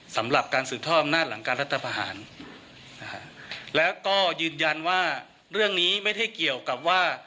สำหรับการสืบทอดอำนาจหลังการรัฐประหารนะฮะแล้วก็ยืนยันว่าเรื่องนี้ไม่ได้เกี่ยวกับว่า